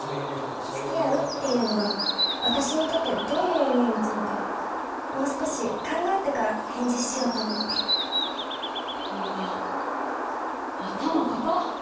付き合うっていうのが私にとってどういう意味を持つのかもう少し考えてから返事しようと思ってうわ頭かたっ！